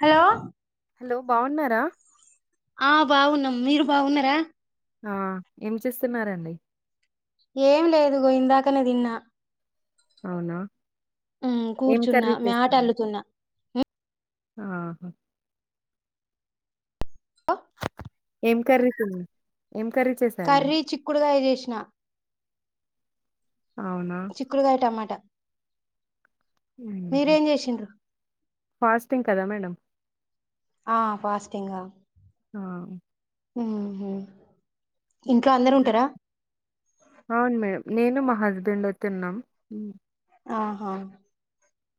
Hello hello బావున్నారా ఆ బావున్నాం మీరు బావున్నారా ఆ ఏం చేస్తున్నారంండి ఏం లేదు ఇదుగో ఇందాకనే తిన్నా అవునా ఉమ్ ఏం కూర్చున్నా కర్రీ మ్యాట్ అల్లుుతున్నా ఆహ్ ఏం కర్రీ తిన్ కర్రీ చిక్కుడుకాయ చేసి నా అవునా చిక్కుడ్కాయ టమాట ఉహుమ్ మీరేం చేసిండ్రు ఫాస్టింగ్ కదా మేడం ఆ ఫాస్టింగ్ ఆ ఆ ఉహుమ్ ఇంట్లో అందరు ఉంటరా అవును మేడం నేను మా హస్బెండ్ డే తిన్నాం ఆహా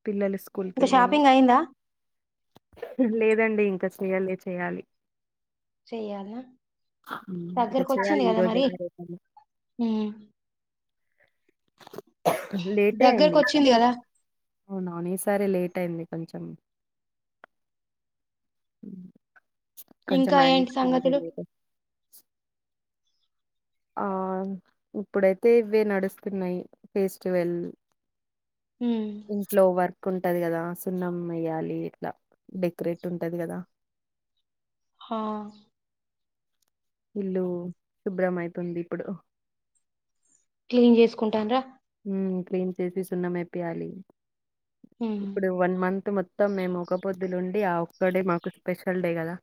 పిల్లలు స్కూల్కి ఇంకా వెల్లిండ్లు షాపింగ్ అయిందా లేదు దండి ఇంకా చేయలే చేయాలి చెయాలా ఇంకా చేయాలి దగ్గరకొచ్చిందిగా ఈ కదా మరి రోజైనా రేపైనా ఉమ్ లేటే అయింది దగ్గర్కొచ్చింది ఈసారి కదా అవునవును ఈ సారి లేట్ అయింది కొంచెం కొంచెం ఇంకా మా ఏంటి ఆయనకి ఏం సంగతులు తెలియదు ఆ ఇప్పుడైతే ఇవే నడుస్తున్నాయి ఫెస్టివల్ ఉమ్ ఇంట్లో వర్కు ఉంటది కదా సున్నం వేయ్యాలి ఇట్లా డెకరేట్ ఉంటది కదా హా ఇల్లు శుభ్రం అయితుంది ఇప్పుడు క్లీన్ చేసుకుంటన్ రా ఊ క్లీన్ చేసి సున్నంమేపియాలి ఉమ్ ఇప్పుడు వన్ మంత్ మొత్తం మేము ఒక పొద్దులు ఉం అండి ఆ ఒక్కడే మాకు స్పెషల్ డే కదా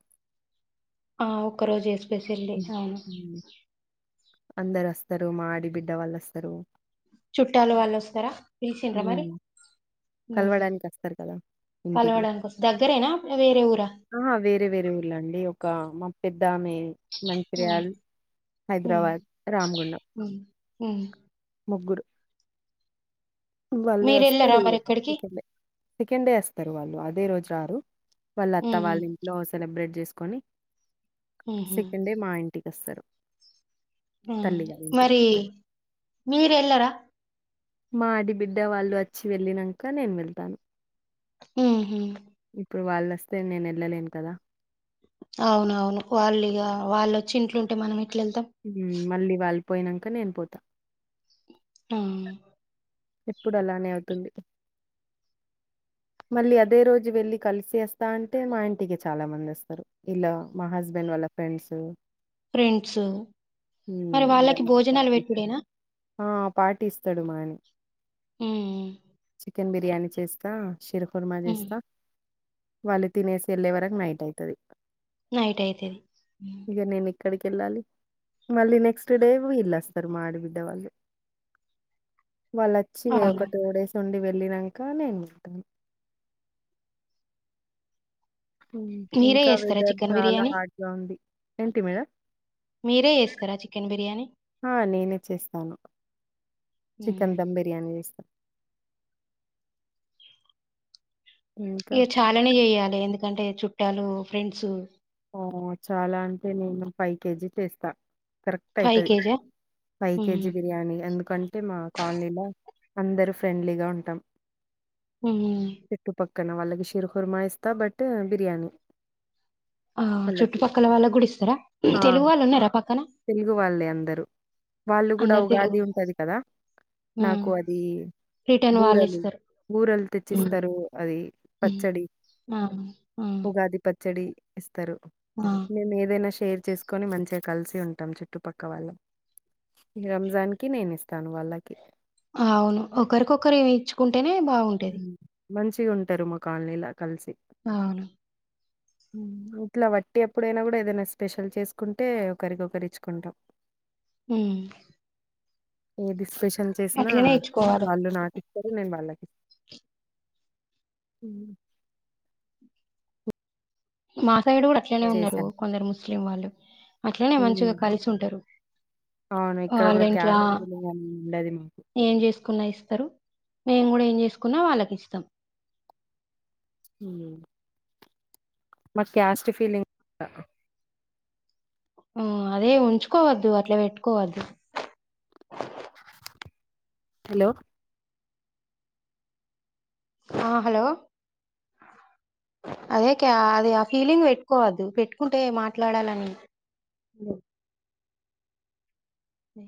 ఆ ఒక్క రోజె స్పెషల్ డే అవును ఉమ్, అందరు వస్తారు మా ఆడి బిడ్డ వాళ్ళు వస్తారు చుట్టాలు వాళ్ళు వస్తారా పిలిచిండ్రా మరి ఉమ్, ఉ కలవడానికి వస్తారు కదా ఇంటికి కలవడానికి వస్త దగ్గరేనా వేరే ఊర ఆహా ద్దామే మంచిర్యాల్ హైదరాబాద్ రామగుండం ఊ ఊ ముగ్గురు వాళ్ళు మీరు వెళ్ళారా వస్తరు మరి ఎక్కడికి ఇక్కలే సెకండ్ డే వస్తరు వాళ్ళు అదే రోజు రారు వాళ్ళత్త ఉమ్ వాళ్ళ ఉహు ఇంట్లో సెలబ్రెట్ చేసుకొని ఉమ్ సెకండే మా ఇం ఇంట్టికస్తరు మరి మీరెలరా మా అడిబిడ్డ వాళ్ళు వచ్చి వెళ్ళినంక నేను వెళ్తాను ఉహు ఇప్పుడు వాళ్ళొస్తే నేనెళ్ళలేను కదా అవునవును వాళ్ళిగా వాళ్ళొచ్చి ఇంట్లుంటే మనం ఎట్లా వెళ్తాం ఊ మల్లీ వాల్ పోనాక నేను పోతా ఆ ఎప్పుడు అలానే అవుతుంది మళ్ళీ అదే రోజు వెళ్ళి కలిసిఅస్తా అంటే మా ఇంటికి చాలా మంది వస్తరు ఇలా మా హస్బెండ్ వాళ్ళ ఫ్రెండ్స్ ఫ్రెండ్స్ హ్మ్. మరి వాళ్ళకి భోజనాలు పార్టీ వెటుడేనా ఆ పాటిస్తాడు మా ఆయనే ఊ కన్ బిర్యానీ చేస్తా శిరపుర్మా ఉమ్ చేస్తా వాళ్ళు తినేసి వెళ్ళే వరకు నైట్ అయితది నైట్ అయితది ఎక్కడికి ఎళ్ళాలి మళ్ళీ నెక్స్ట్ డే వీళ్ళస్తర్ మాడబిడ్డవల్లు వాళ్ళు అచ్చి వే ఒక అవును టూ డేస్ ఉండి వెల్ వెళ్ళినంక నేన్ మీరే ఇంకా చేస్తారా వెదర్ చికెన్ చాలా బిర్యానీ హాట్ గా ఉంది ఏంటి మీడ మీరే చేస్తారా చికెన్ బిర్యానీ ఆ నేనే చేస్తాను ఉమ్ చికెన్ దమ్ బిర్యానీ తేస్తా ఇంకా ఇగ చాలానే చెయాలి ఎందుకం ఎందుకంటే చుట్టాలు ఫ్రెండ్స్ ఓ చాలా అంటే నేను ఫై కేజీతెస్తా కరెక్ట్ ఫైవ్ అయితది కేజా ఫై ఉమ్. కేజీ బిర్యానీ ఎందుకంటే మా కాలనీలో అందరు ఫ్రెండ్లీగా ఉంటాం హు అక్కన వాళ్ళకి శిరుహుర్మా ఇస్తా బట్ బిర్యానీ ఆ వాళ్ళకి చుట్టుపక్కల వాల్ళ గుడిస్తారా ఆ తెలుగు వాళ్ళు ఉన్నారా ప తెలుగు వాళ్ళే అందరూ వాళ్ళు కూడా అందరు తెలుగు ఉగాది ఉంటది కదా ఉమ్. నాకు అది రిటర్న్ వాళ్ళు బూరలు ఇస్తారు బూరెలు ఉమ్. తెచ్చిస్తరు అది ఉమ్. పచ్చడి ఆ ఆ ఉగాది పచ్చడి ఎస్ తరు మేమ్ఏదైనా ష్ షేర్ చేసుకొని మంచిగా కలిసి ఉంట టం చుట్టుపక్క వాళ్ళం ఈ రంజాన్ కి నేను ఇస్తాను వాళ్ళకి అవును ఒకరికొకరు ఏమి ఇచ్చుకుం అంటేనే బాగుంటేది మంచిగా ఉంటారు మా కాలనీలా కలిసి అవును ఇట్లా వట్టి ఎప్పుడైనా కూడా ఏదైనా స్పెషల్ చేసుకుంటే ఒకరికికరిచ్చుకుంటాం హ్మ్ ఏది పెష్ ఎం చేసిన ఇచ్చుకోవాలి వాళ్ళు నాకు ర నన్ బాలకి హు మా సైడ్ కూడా అట్లనే ఉన్నారు చేశాను. కొందరు ముస్ ముస్లిం వాల్లు అట్లనే మంచిగా హ్మ్. కలిసి ఉంటారు అవును ఇక్కడ వాళ్ళ కూడా ఇంట్లా క్యాస్ట్ ఫీలింగ్ అని ఉండది మాకు ఏం చేస్త కున్న ఇస్తారు మేము కూడా ఏం చేసుకున్నా వాళ్ళకి ఇస్తాం. మ్మ్ నాక్ క్యాస్ట్ ఫీలింగ్ అహ హ్మ్ అదే ఉంచుకోవద్దు అట్లా పెట్టుకోవద్దు. హలో ఆ హలో అదే క్యా అది ఆ ఫీలింగ్ పెట్టుకోవద్దు. పెట్టుకుంటే మాట్లాడాలని [unintelligible] అదే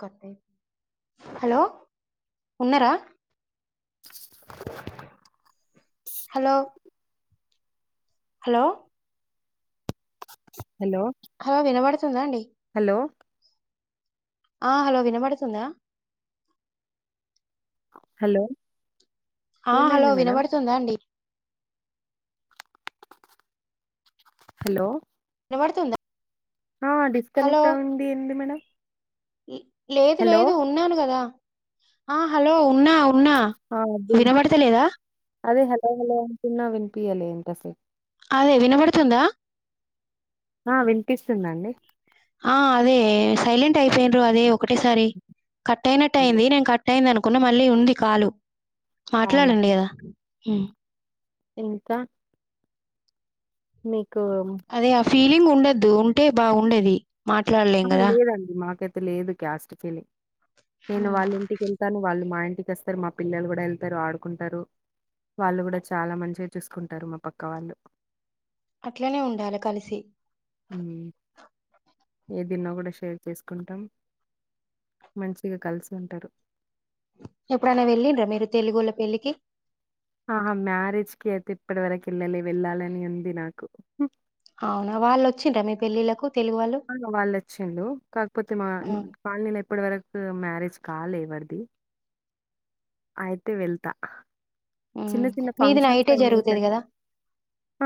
కటైప్ హలో ఉన్నారా హలో హలో హలో హలో వినబడుత్ హలో ఆ హలో వినబడుతుందా హలో ఆ హలో ఏమైంది మేడం వినబడుతుందా అండి హలో వినపడుతుందా ఆ డిస్కనెక్ట్ అవుంది ఏంది మేడం ఇ లేదు హలో లేదు ఉన్నాను కదా ఆ హలో ఉన్నా ఉన్నా ఆ అదే వినబడతలేదా అదే హలో హలో చిన్నా వినిపి అంటసే అదే వినబడుతుందా ఆ వినిపిస్తుందండి ఆ అదే సైలెంట్ అయిపోన్అదే ఒకటేసారి కట్ అయినట్టు అయింది నేను కట్ అయింది అను కున మళ్ళీ ఉంది కాలు అవునా మాట్లాడండి కదా హ ఇంకా మీ త ఫలింగ్ ఉండద్దు ఉంటే బాగుండది మాట్లాడలేం ఆ, కదా లేదండి మాకైతే లేదు క్యాస్ట్ ఫీలింగ్ నేను హ్మ్ వాళ్ళింటికి కెళ్తాను వాళ్ళు మా ఇంటికి అస్తరు మా పిల్లలు కూడా ఎళ్తారు ఆడుకుంటారు వాళ్ళు కూడా చాలా మంచిగా చూసుకుంటారు మా పక్క వాళ్ళు అట్లనే ఉండాలె కలిసి ఏదిన్న గుడా షేర్ చేసుకుంటాం మంచిగా కలిసి ఉంటరు ఎప్పుడైనా వెళ్ళింన్రా మీరు తెలుగోళ్ళ పెళ్ళికి ఆహా మ్యారేజ్కి అయితే ఇప్పటి వరకు ఎళ్ళలే వెళ్ళాలని ఉంది నాకు అవునా వాల్ వచ్చింరా మీ పెళ్ళిళ్లకు వాళ్ళు వచ్చిన్లు కాకపోతే మా కాలనీలో ఇప్పటి వరకు మ్యారేజ్ కాలే ఎవరిది అయితే వెళ్తా చిన్న హ్మ్ చిన్న మీది ఫంక్షన్స్ నైటే అయినయి జరుగుతది కానీ కదా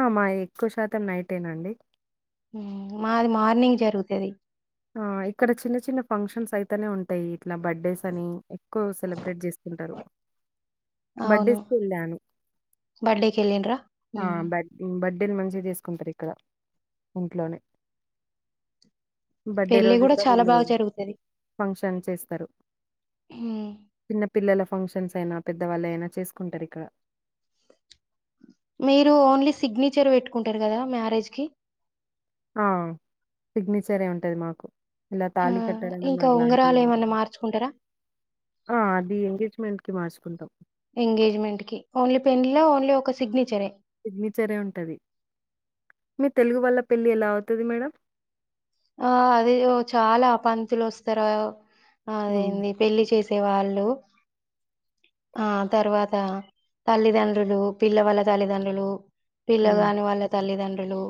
ఆ మాయి ఎక్కువ శాతం నైట్ టెనండి హ్ మాది మార్నింగ్ జరుగుతది. ఆ ఇక్కడ చిన్న చిన్న ఫంక్షన్స్ అయితనే ఉంటయి. ఇట్ల బర్త్డేస్ అని ఎక్కువ సెలబ్రేట్ చేస్కుంటరు అవును బడ్డేకి ఎల్లింరా హ్ బర్త్డేని మంచిగా చేసుకుంటారు ఇక్కడ ఇంట్లోనే బర్త్డే పెళ్ళి రోజు కూడా గుడా చాలా వీళ్ళు బాగా జరుగుతది ఫంక్షన్ చేస్తారు హ్మ్ చిన్న పిల్లల ఫంక్షన్స్ అయినా పెద్దవాళ్ళు అయినా చేసుకుంటర్ ఇక్కడ మీరు ఓన్లీ సిగ్నేచర్ పెట్టుకుంటరు కదా మ్యారేజ్ కి ఆ సిగ్నేచరే ఉంటది మాకు ఇలా ఆ తాళి కట్టడం ఇంకా అలాంటి ఉంగరాలు ఏమన్నా మార్చుకుంటారా ఆ అది ఎంగేజ్మెంట్ కి మార్చుకుంటాం ఎంగేజ్మెంట్కి ఓన్లీ పెళ్లిల ఓన్లీ ఒక సిగ్నేచరే సిగ్నేచరే ఉంటది మీ తెలుగు వాళ్ళ పెళ్ళి ఎలా అవుతది మేడం ఆ అది ఓ చాలా పంతులు వస్తారు హ్మ్. అదేంది పెళ్ళి చేసి తె వాళ్ళు ఆ తర్వాత తల్లిదండ్రులు పిల్ల వాళ్ళ తల్లిదండ్రులు హ్మ్. పిల్లగాని వాళ్ళ తల్లిదండ్రు హలో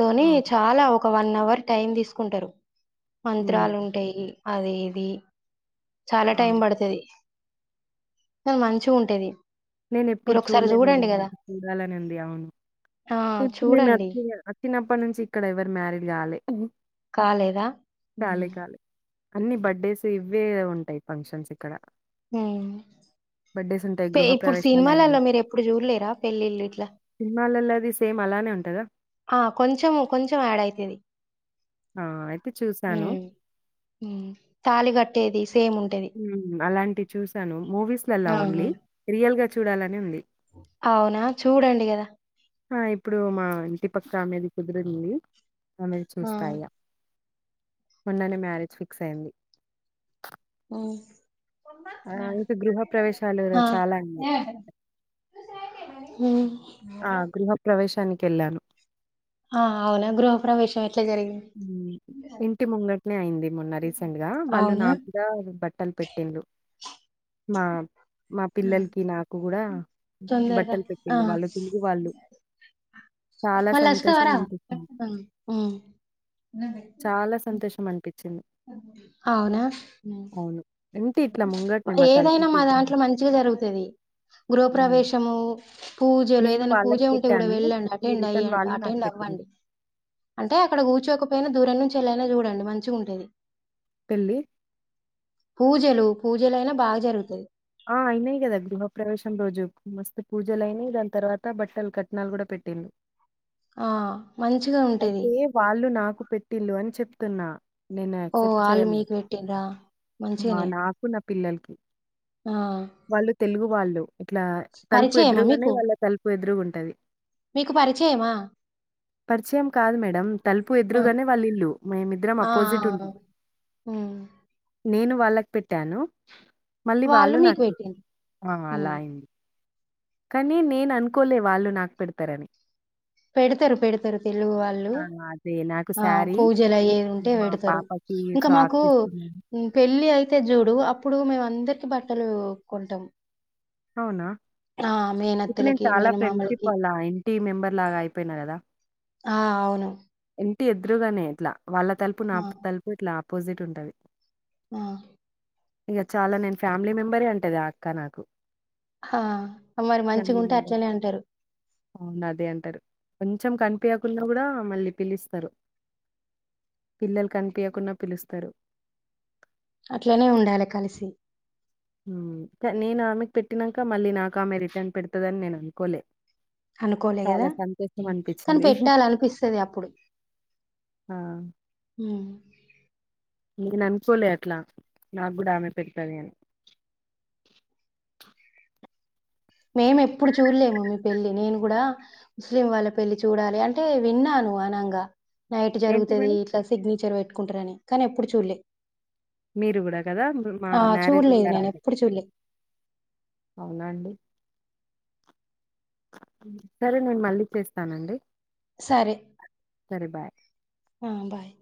తోని అవును. చాలా ఒ ఒక వన్ అవర్ టైం తీసుకుంటరు. హ్మ్. మంత్రాలుంటయి. అదే ఇది చాలా టైం అవును. బడుతది అ మంచిగా ఉంటేది నేను ఎప్పుడు చూడలే మేడం నాకు చూడాలని ఉంది అవును ఆ ఇప్పుడు చూడండి నేనుచ్చిన అచ్చినప్పటి నుంచి ఇక్కడ ఎవరు మ్యారేజ్ కాలే కాలేదా కాలే, ఉమ్ కాలే. అన్ని బర్త్డేస్ ఇవ్వే ఉంటాయి ఫంక్షన్స్ ఇక్కడ బర్త్డేస్ ఉంటాయి పే గృూహ ఇప్పుడు సినిమాలలో మీరు ఎప్పుడు చూడలేరా పెళ్ళిళ్ళు ఇట్లా పెళ్ళిళది సేమ్ అలానే ఉంటదా ఆ కొంచెము కొంచెం యాడ్ అయితుది ఆ! అయితే చూసాను. ఉమ్ ఉమ్ తాలి కట్టేది సేమ్ ఉంటది ఉమ్ అలాంటివి చూసాను మూవీస్లలా ఆహా ఓన్లీ రియల్ గా చూడాలని ఉంది అవునా చూడండి కదా ఆ ఇప్పుడు మా ఇంటి పక్క ఆ మీది కుదిరింది అమెథో ఆ చూస్తాయ ఇగా మోనేన్ మ్యారేజ్ ఫిక్స్ అయింది ఓ ఆ అంటా గృహ ప్రవేశాలు ఆ చాలా ఉన్నాయి హ్మ్ ఆ గృహ ప్ర్రవేశానికి కెళ్ళాను ఆ అవునా గృహప్రవేశం ఎట్లా జరిగింది ఉమ్ ఇంటి ముంగట్ అయింది మోన్నా రీసెంట్ గా వాళ్ళు అవునా నాకు కూడా బ బట్టలు పెట్టింలు మా మా ఆ, పిల్లలకి నాకు కూడా తొందరగా బట్టలు పెట్టేళ్ళు వాళ్ళు తిరుగు వాళ్ళు చాలా సంతోషం మళ్లస్తవరా అనిపించింది. ఉమ్ చాలా సంతోషం అం [unintelligible] అవునా అవును. ఉంటే ఇట్లా ముంగటనే మా ఏదైనా తలుపుకి మా ఎదురు దాంట్లో మంచిగా జరుగుతది. గృహ హ్మ్. ప్రవేశము పూజలు నేను ఏదైనా పూజ వాళ్ళకి ఉంటే కూడా పెట్టాను. వెళ్ళండి మళ్ళీ అటెండ్ అయ రిటర్న్ వాళ్ళు నాకు అటెండ్ పెట్టిండ్రు. అవ్వండి. అంటే అక్కడ కూర్చోక పోయినా దూరం నుంచి వెళ్ళైనా చూడండి. మంచిగా ఉంటేది. పెళ్లి పూజలు పూజలు అయినా బాగా జరుగుతది. ఆ అయినాయి గదా గృహప్రవేశం రోజు మస్తు పూజలయినయి దాని తర్వాత బట్టలు కట్నాలు కూడా పెట్టిండు. ఆ మంచిగా ఉంటది అయితే వాళ్ళు నాకు పెట్టిల్లు అని చెప్తున్నా నేను ఓ యాక్సెప్ట్ వాళ్ళు చేయలే. మీకు పెట్టిన్ర ఆ! మంచిగనే నాకు, నా పిల్లలకి ఆ వాళ్ళు తెలుగు వాళ్ళు ఇట్లా తలుపు పరిచయమా ఎదురుగానే మీకు వాళ్ళ తలుపు ఎదురుగు టది మీకు పరిచయమా పరిచయం కాదు మేడం తలుపు ఆ ఎదురుగానే వాళ్ళ ఇల్లు మేమిద్దరం ఆ ఆ అపోజిట్ ఆ. ఉంటం. ఉమ్ నేను వాళ్ళకు పెట్టాను మళ్ళీ వాళ్ళు మీకు నాకు పెట్టిండ్రు ఆ అలా ఉమ్ అయింది. కానీ నేను అనుకోలే వాళ్ళు నాకు పెడతారని పెడతరు పెడతరు తెలుగు వాళ్ళు ఆ! అదే నాకు ఆ శారీ, పూజలు అయ్యేవి ఉంటే మా పెడతరు పాపకి ఇంకా ఫ్రాక్ మాకు తీసుకున్నాను. పెళ్ళి అయితే చూడు అప్పుడు మేమందర కి బట్టలు కొంటం అవునా ఇప్పుడు నేను మేనత్తలకి చాలా ఫ్రెండ్షిప్ మేనమామలకి వల్ల ఆ ఇంటి మెంబర్ లాగా అయి పెన్నా కదా ఆ అవును ఇంటి ఎదురుగానే ఎట్లా వాళ్ళ తలుపు నా ఆ తలుపు ఇట్లా అపోజిట్ ఉంటది ఆ ఇక చాలా నేను ఫ్యామిలీ మెంబరే అంటది ఆ అక్క నాకు హా మరి మంచిగా ఫ్యామిలీ ఉంటే మెంబర్. అట్లనే అంటరు. అవును. అదే అంటారు. కొంచెం కనిపియకున్నకూడా మళ్ళీ పిలుస్తారు పిల్లలు కనిపీయకున్నా పిలుస్తరు అట్లనే ఉండాలె కలిసి హ్మ్ నేను ఆమెకు పెట్టినాక మళ్ళీ నాకు ఆమె రిటర్న్ పెడతదని నేను అనుకోలే అనుకోలే కదా చాలా సంతోషం కానీ అనిపిచ్చింది. పెట్టాల అనిపిస్తది అప్పుడు ఆ! నేను అనుకోలే అట్లా నాకు కూడా ఆమె పెడతాది అని. మేమెప్పుడూ చూల్లెము మీ పెళ్లి నేను గుడా ముస్లిం వాళ్ళ పెళ్లి చూడాలి అంటే విన్నాను అనంగా. నైట్ ఏంటి జరుగుతది మేడం? ఇట్లా సిగ్నేచర్ పెట్. కుంటారని కానీ ఎప్పుడు చూల్లే. మీరు గూడా గదా మా మ్యారేజ్ల చూడలేదు నేను రాలే ఎప్పుడు చూడలే అవునా అండి. సరే నేన్ మళ్ళీ చేస్తానండి. సరే సరే బాయ్. ఆ బాయ్.